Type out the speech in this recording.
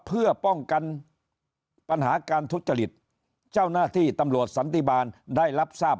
เพื่อป้องกันปัญหาการทุจริตเจ้าหน้าที่ตำรวจสันติบาลได้รับทราบ